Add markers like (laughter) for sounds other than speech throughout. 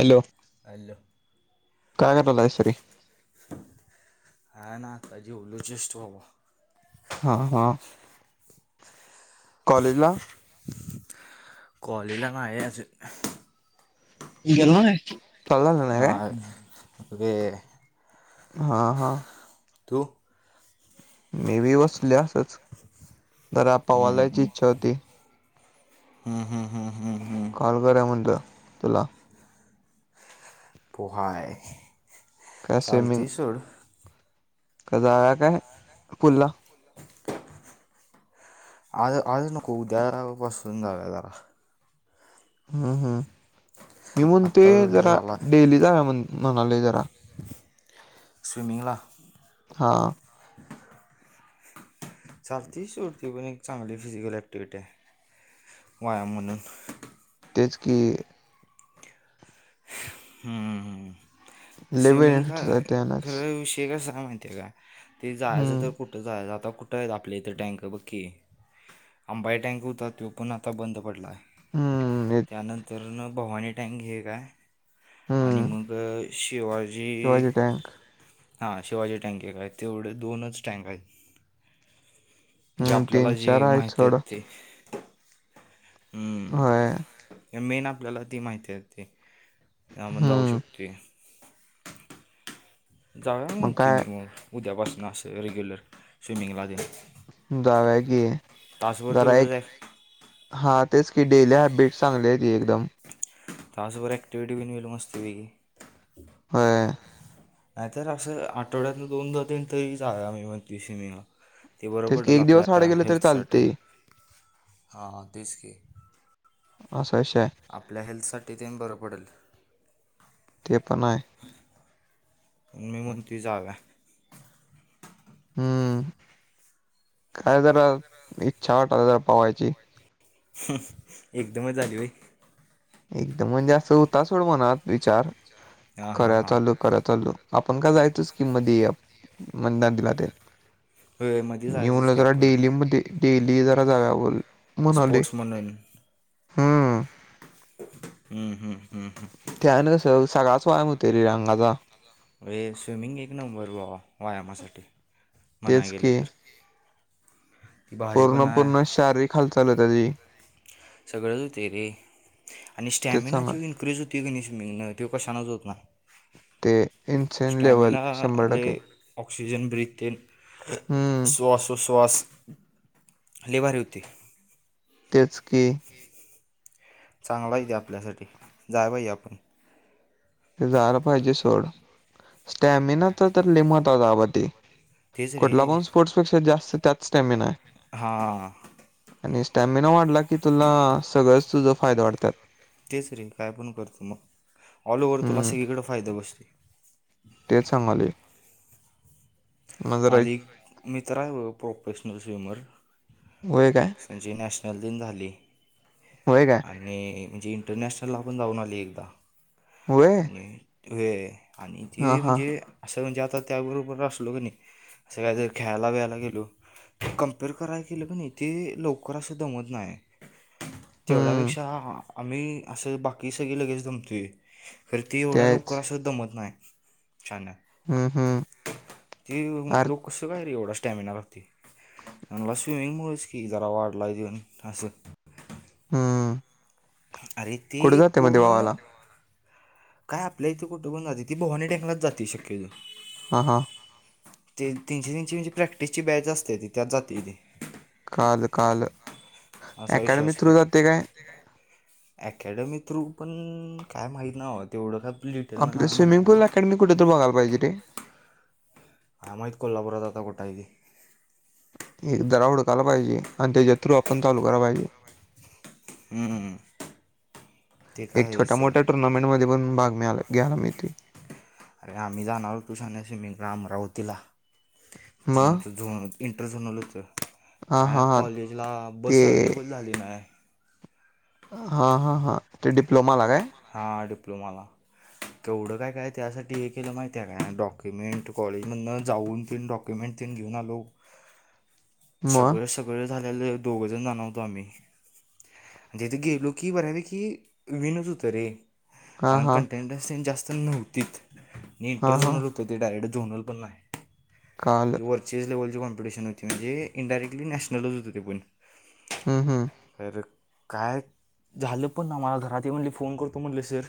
Hello hello. काय करायलाय सरी कायं नां आंता जेवलो जस्टं बाबां. हां हां कॉलेजलां? कॉलेज लां नाहीं अजुंन. मी गेलो नांय आंज? नां ते. हां हां. तूं मी बी बसले असंच जरां पवायला जायची इच्छां होती! हम्मं हम्मं हम्मं हम्मं हमं कॉल करूंया म्हटलं तुंला. पोहांय चालते सोंड. जाऊंया कां कायं स्कूंल ला. आंज नको उद्यां पासूंन जाऊंया जरां. हम्मं हम्मं मी म्हणते आत्ता वेळ जरां झाला डेली जावं म्हंण म्हणाले जरां. स्विमिंगला? हां चालती सोडं ते पणं एक चांगली फिजिकल ऍक्टिव्हिटी आहे व्यांयाम म्हणूंन. तेचं की हम्मं लय स्विमिंगला बेनिफिट्स आहेत कायं त्यानच खरं विषय कसां आहे माहिती आहे कां ते जायचं हम्म तरं कुठं जायचं आंता कुठं आहे आपल्या इथे टँकर बघकी आंबाई टँक होतांत तो पणं आंता बंद पडलां आहे हम्म एक त्यांनंतर भवानी टॅंक एक आहे आणि हम्म मंग शिवाजी शिवाजी टँक हां शिवाजी टँके कां आहेतं तेवढे दोनचं टँक आहेतं जे हम्म आपल्यांला तीन चार जे आहेत माहिती सोड आहेतं ते होय मेनं आपल्यांला माहिती आहे ते हम्म (unintelligible) जावा मग म्हणती काय मी मग, उद्यापासून असं रेग्युलर स्विमिंगला (unintelligible) जाऊया की. तासभर बर तेवढंच ऐक आहे हा, तेच की डेली हॅबिट चांगली आहे ती एकदम. तासभर ऍक्टिव्हिटी घेऊन गेलो मस्तपैकी. होय व्हय? नाहीतर असं आठवड्यातन दोन (unintelligible) मी म्हणते स्विमिंगला. ते बर तेच की पडल एक दिवस आड आपल्या गेलं तरी हेल्थसाठी. चालते हा तेच की. असा विषय आहे. आपल्या हेल्थसाठी तेन बरं पडेल. ते पण आहे. मी म्हणते जाऊया. हम्म, काय जरा इच्छा (unintelligible) पोवायची. एकदमच झाली होय? एकदम म्हणजे असं होता सोडं मनात विचार, हां हां करा हां चालू करा चालू. आपण का जायचं स्कीम मधे या (unintelligible) दिला ते. होय मध्ये मी जायचंच म्हणल की जरा आपण डेली मधे डेली जरा जाऊया बोल म्हणाले स्पोर्ट्समन आहे मी. हम्म हम्म हम्म हम्म हम्. त्यान सग सगळाच व्यायाम होतोय रे अंगाचा. व्हय स्विमिंग एक नंबर (unintelligible) व्यायामासाठी म्हणाय तेच गेल की तर. ती भारी पण पूर्ण पूर्ण, आहे शारीरिक हालचाल (unintelligible) सगळच होतय रे, आणि तेच स्टॅमिना सांगा जो इनक्रीज होत (unintelligible) तो कशाानच होत नाय. ते इन्सेन लेवल स्टॅमिना शंभर टक्के लय ऑक्सिजन ब्रीथिग हम्म, श्वासोच्छ्वास लय भारी होती. तेच की. चांगलाय ते आपल्यासाठी, जाय पाहिजे आपण. ते जायला पाहिजे सोड, स्टॅमिना तर त्यात लई महत्त्वाचा (unintelligible) ते. तेच कुठला रे पण स्पोर्ट्सपेक्षा जास्त त्यात स्टॅमिना आहे. हां आणि स्टॅमिना वाढला की तुला सगळंच तुझं फायद वाढतात. तेच रे, काय पण करतो मग ऑल ओव्हर तुला हम्म, सगळीकडं फायदा बसते. तेच सांगालोय. मग जरा (unintelligible) मित्र आहे हो प्रोफेशनल स्विमर. होय काय? त्याची नॅशनल दिन झाली. होय काय? आणि म्हणजे इंटरनॅशनलला पण जाऊन आली एकदा व्हय आणि (unintelligible) आणि हा ते हा म्हणजे असं म्हणजे आता त्याबरोबर अस लो क नाही, असं काहीतर खेळायला वेयला गेलो कम्पेअर करायला गेल की नाही, ते लवकर असं दमत नाही. हम्म, तेवढ्यापेक्षा आ आम्ही असं बाकी सगळी लगेच जमतोय. तर ती एवढ्या लवकर तेच असं दमत नाही. (unintelligible) हम् हम्. ते लोक कसं काय रे एवढा स्टॅमिना लागते. म्हणला स्विमिंग मुळचं की जरा वाढलायं अजून आसं हम आरे ते मग पूर्ण देवाला? काय आपल्या इथे कुठं पण जाते ती भवानी टेकनच जाते शक्यतो. हां हां ते तीनची तीनची म्हणजे प्रॅक्टिस ची बॅच असते ती त्यात जाती ती काल काल असा अकॅडमी विश्वास थ्रू जाते काय? ॲकॅडमी थ्रू पण काय माहीत नाही भावा तेवढं पण आपल्या स्विमिंग पुल अकॅडमी कुठे तरी बघाय पाहिजे रे काय माहित कोल्हापुरात आता कुठं हाय ते एकदा ला हुडकायला पाहिजे आणि त्याच्या थ्रू आपण चालू कराय पाहिजे. हम्म... ते काय एक आहे छोट्या सोड मोठ्या टुर्नामेंटध्ये पण भाग मिळाला घ्यायला मिळते. अरे आम्ही जाणार होतो (inaudible) अमरावतीला ते मग आमचं झो पेंटर झोनल होत. हां काय हां हां कॉलेजला ते बस अवलेबल झाली नाय. हा हां ते डिप्लोमाला हे हां डिप्लोमा ला तेवढं काय काय त्यासाठी एकीनं माहिती आहे का डॉक्युमेंट कॉलेजमधन जाऊन तेन डॉक्य कमेंट तेन् घेऊन आलो. (inaudible) सगळं सगळं झालेलं हे दोघजण जाणर होतो आम्ही जे जे गेलो की बर्यापैकी विनो तरी हां कारण हां कंटेंटन्सी जास्त नव्हतीत मी हां तर हां जाणार तर ते डायरेट झोनल पण नाही कळालं जी वरचेज लेवलची कॉम्पिटिशन होती म्हणजे इनडारेक्टली नॅशनलच होती ती पण हम् हम् अरे काय झालं पण ना मला घरात ये म्हणले फोन करतो म्हणले सर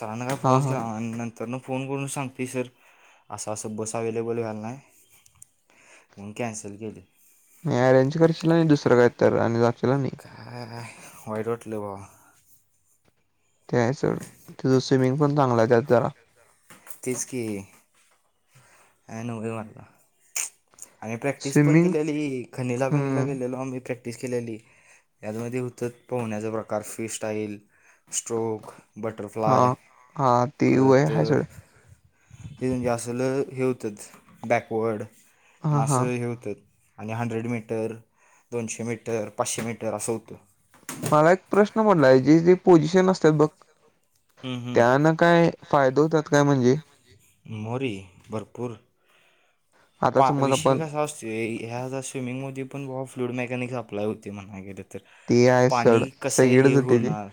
सरांना हां फोनचं हां केला (unintelligible) त्यांना फोन करून सांग की सर असं असं बस अवेलेबल व्याला नाही. म्हणून कॅनसल केली अरेंज करशील नाही दुसरं काही तर आणि जाशील आणि काय वाईट वाटलं भावा त्याचं तेचं स्विमिंग पण चांगलं आहे त्यात जरा तेच की अँन होय म्हणला आम्ही प्रॅक्टिस पण स्विमिंग केलेली खनिला बिनिला हं, गेलेलो आम्ही प्रॅक्ट प्रॅक्टिस केलेली यामध्ये हुतत पोहण्याचा प्रकार फ्री स्टाईल स्ट्रोक बटरफ्लाय हां हां ते वय परत आहे सोड हे म्हणजे असलं हे होतात बॅकवर्ड पण हां हां असं हे होतं आणि हंड्रेड मीटर, दोनशे मीटर, पाचशे मीटर असं होतं. मला एक प्रश्न पडला जे-जे पोझिशन असत्यात बघ हम्म, हम्म. त्यानं काय फायद होतात काय म्हणजे? मोरी भरपूर आता पहा, समज विषय आपण कसा असतो ह्या स्विमिंग मध्ये पण ब फ्लूड मेकॅनिक सप्लाय होते म्हणा गे तर ते आहे सड पाणी कसं सगळीकडे हे जाते ते होणार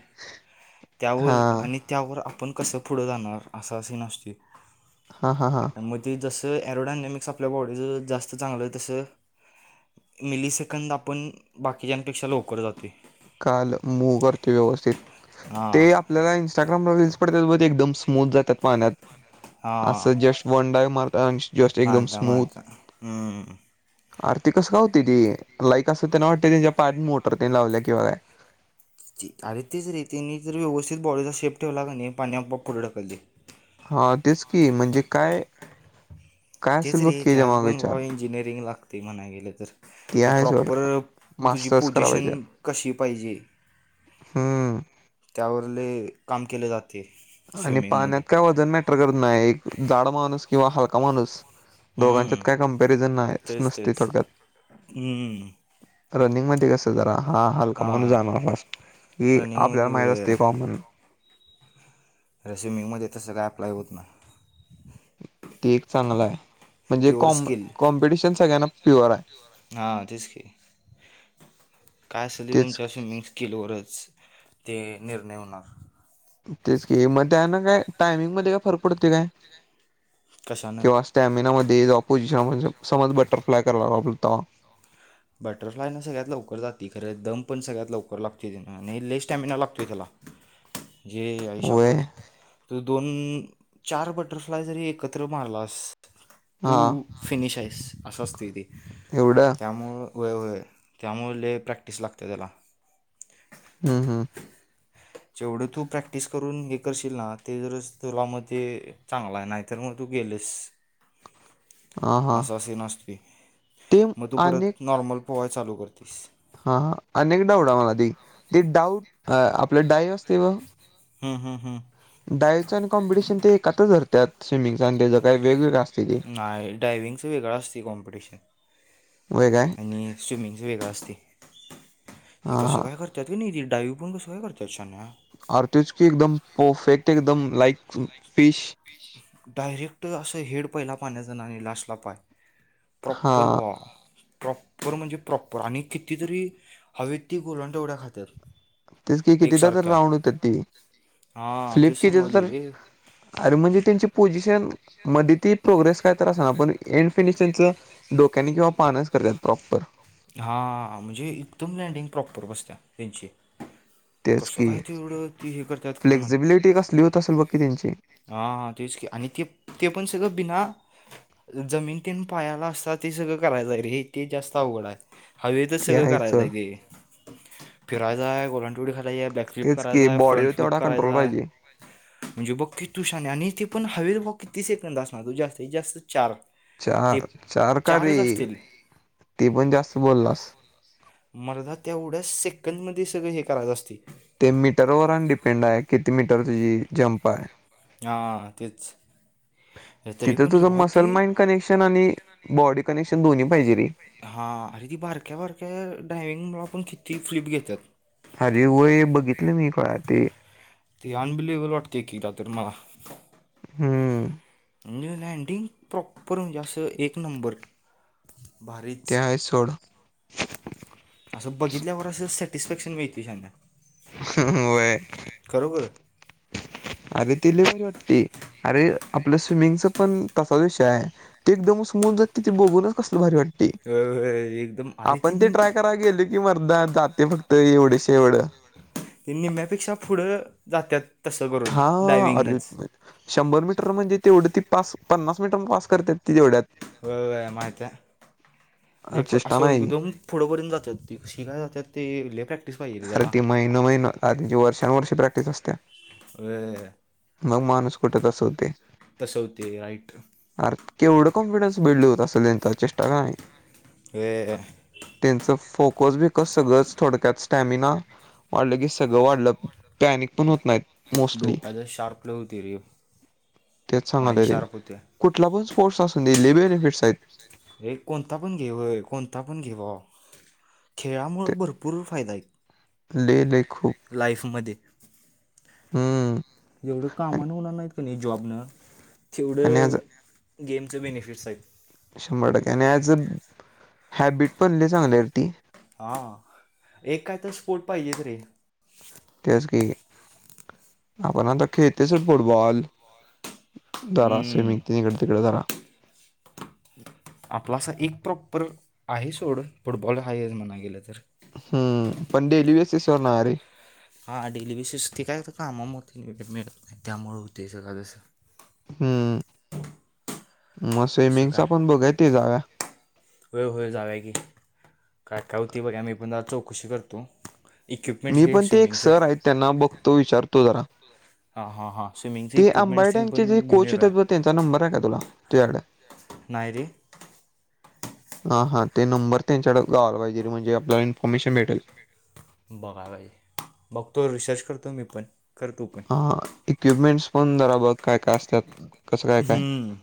हा त्यावर आणि त्यावर आपण कसं पुढं जाणार असं असीग नसतय. हा हा हां. मग ते जसं एरोडानेमिक्स आपल्या बॉडी जं जास्त चांगलं आहे तसं मिली सेकंद आपण बाकीच्यांपेक्षा लवकर जातोय. काल मू करतोय व्यवस्थित हां ते आपल्याला इंस्टाग्राम रीलस पडत एकदम स्मूथ जातात पाण्यात, असं जस्ट वन डाय मारतात जस्ट एकदम मानता, मानता हम्म. आरती कस का होती ती लाईक असं त्यांना वाटते त्यांच्या पाड मोटर त्यांनी लावल्या किंवा काय अरे तीचरी तीने जर व्यवस्थित बॉडीचा शेप ठेवला का नाही पाण्या मग पुढे ढकलती. हा तेच की म्हणजे काय? काय तेच असेल बघ रे की ते हेच्या आज मागं विचार बनवा इंजिनिअरिंग लागते म्हणाय गेलं तर ते आहे सोड प्रॉपर तुझी मास्टर्स कराय पाहिजे कशी पाहिजे हम्म. त्यावर लय काम केले जात आणि पाण्यात काय वजन मॅटर करत नाही एक जाड माणूस किंवा हलका माणूस हम्म, दोघांच्यात काय कंपॅरिझन नाही तेच नसते तेच थोडक्यात. हम्म, रनिंग मध्ये कस जरा हा हलका माणूस हां जाणार फास्ट ही आपल्याला माहीत रनिंगमध्ये असते कॉमन रेसिमिंग मध्ये तसं काय अप्लाय होत नाय. ते एक चांगलं आहे म्हणजे प्युअर कॉम स्किल कॉम्पिटिशन सगळ्यांना प्युअर आहे. हां तेस की. काय असल तेच तुमच्या स्विमिंग स्किलवरच ते निर्णय होणार. तेच कि मग त्यान काय टायमिंग मध्ये काय फरक पडते काय कशानं किंवा अस स्टॅमिनामध्ये ऑपोजिशन म्हणजे समज बटरफ्लाय करायला लागलो आपण तवा. बटरफ्लाय ना सगळ्यात लवकर जाते खरं दम पण लवकर लागतो त्याला नाही लई स्टॅमिना लागते त्याला जे व्हय आईशप्पथ तू दोन, चार बटरफ्लाय जरी एकत्र मारलास तू हा फिनिश आहे असं असतय ते. एवढं? त्यामुळे होय, होय त्यामुळे लय प्रॅक्टिस लागते त्याला. हम्म, हम्म जेवढं तू प्रॅक्टिस करून हे करशील ना ते जर तुला मध्ये चांगला नाही त्यामुळं तू गेलेस. हा हा असा सीन असतोय, ते मग तू अनेक परत नॉर्मल पोवाय चालू कर तीस. हा, हा अनेक डाऊट आहे मला ती, ती डाऊट आपल्या डा आपल्या डायरित लिहुन, हम्म, हम्म, हम्म. डायचं कॉम्पिटिशन ते ऐकातच धरत्या स्विमिंगचचा आणि त्यांचा काय वेगवेगळा नाहीय डायविंगच वेगळं असते कॉम्पिटिशन व्हय काय आणि स्विमिंगच वेगळं असते, हे हा कसं हा काय कर त्यातुन निघिल डाईव कोण बसवेल घरच्या शहाण्या अरे तेचकी एकदम परफेक्ट एकदम लाइक फिश डायरेक्ट अस हेड पहिला पाण्याचा आणि लास्टला पाय हा प्रॉपर भावा प्रॉपर म्हणजे प्रॉपर आणि किती तरी हवेेत ती गोलंदवड्या खात्यात तेच क किती एकसारख्या राऊंड होत हां फ्लिप तेच किती सांगावली तर रे अरे म्हणजे त्यांची पोझिशन मध्ये ती प्रोग्रेस काही तर असना पण एंडफिनिश च डोक्याने किंवा पानच करतात प्रॉपर हां म्हणजे एकदम लँडीग प्रॉपर बसता त्यांची तेच कस की काय तेवढ ती हे करतात काय फ्लेक्झिबिलिटी कसली माहिती होत असेल बघ की त्यांची हा ह तेच आणि ते ते पण सगळ बिना- जमीन तेन पायाला असतात ते सगळ करायच रे हे ते जास्त अवघड आहे हवेत ते सगळ आहेच सोड करायचय ते फिरायच गलाडोडी खाय- बॅक फ्लीप तेच की करायचा आहे फ्रंट बॉडीवर फ्लिप तेवढा करायचा कंट्रोल आहे (inaudible) म्हणजे बघ कि तु शहान्या आणि ते पण हवेेत बघ किती सेकंद असणार त जास्तीत जास्त चार ते चार चार का रे चारच असतील ती पण जास्त बोललास मरदा तेवढ्या सेकंडमध्ये सगळच हे करायच असते ते मीटरवर आणि डिपेंड आहे किती मीटर तुझी जंम्प आहे हां तेच तरी तिथं पण रे तुझं भावा मसल ती माइंड कनेक्शन आणि बॉडी कनेक्शन दोन्ही पाहिजे ते हां अरे ती बारक्या बारक्या ड्रायविंग ला आपण किती फ्लिप घेतात अरे होय बघितल मी खुळ्या ते ते अनबिलेवर वाटतय की एकदा मला हम्म म्हणजे लँडिंग प्रॉपर म्हणजे अस एक नंबर भारीच ते आहे सोड अस बघितल्यावर अस सॅटिस्फॅक्शन मिळते शहान्या होय खरोखर अरे ते लय भारी वाटतय अरे आपल स्विमिंगच पण तसाच विषय आहे ते एकदमच होवुन जात ति बघुनच कसल भारी वाट होय होय एकदम अरे त्यांनी गेल की मर्दा जाते फक्त एवढेशा एवढ ते निम्म्यापेक्षा पुढ जातात तस करून हा अरे डायविंगनच शंभर मीटर मधी तेवढ ती पास पन्नास मीटर पास करतात ती तेवढ्यात- होय होय माहिती आहे लय‌ चेष्टा नाही. पुढ पर्यंत जात ते शिकाय जातात ते लय काय अरे ती महिना महिना त्यांची वर्षानुवर्षे प्रॅक्टिस असते होय मग माणुस कुठत तसं होतय तसं होते राईट अर केवढ कॉन्फिडन्स बिल्ड होत असल चेष्टा का नाही ऐ त्याचं फोकस बिकॉस सगळच थोडक्यात स्टॅमिना वाढल की सगळ वाढल डोक्याच शार्प लय होते रे- तेच माइंड सांगाले रे शार्प होते कुठला पण स्पोर्टस असुदे लय बेनिफिट्स आहेत हे कोणता पण घे कोणता पण घे भावा खेळामुळ ते भरपूर फायदा आहे लय लय खूप. लाईफमध्ये. हम्म. जेवढं आणि कामानं मुलांनात का नाही जॉबनं आणि तेवढं ॲज गेमचे बेनिफिट्स आहेत. शंभर टक्के आणि ऍज हॅबिट पण लई चांगल्याती. हा एक काय तर स्पोट पाहिजेेत रे. तेच की आपण आता खेळतेच फुटबॉल जरा हम्म स्विमिंग इकडे तिकडे जरा आपला असा एक प्रॉपर आहे सोड फुटबॉल हाय म्हणा गेलं तर. हम्म, पण डेलि वेसीस वर ना रे. हा डेली बेसस ते काय तर काम म मिळत नाही त्यामुळेळ होते सगळं जसं. हम्म, मग कसं काय स्विमिंगचा पण बघा ते जाव्या. होय होय जाऊया की कायकावती बघा आम्ही पण चौकशी करतो. इक्विपमेंट मी हे पण ते एक स्विमिंग चा सर आहेत त्यांना बघतो विचारतो जरा. हा हा हा स्विमिंगचे ते इक्विपमेंट्सन आंबाड्यांचे पण जे घेऊ कोच येऊया. येतात बघ त्यांचा नंबर आहे का तुला तझ्याकड. नाही रे! हा हा ते नंबर त्यांच्याकडे जायला पाहिजे म्हणजे आपल्याला इन्फॉर्मेशन भेटेल. बघा पाहिजे बघतो रिसर्च करतो मी पण करतु पण. ह इक्विपमेंट्स पण जरा बघ काय काय असतात कसं काय काय. हम्म